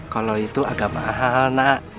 kalau itu agak mahal nak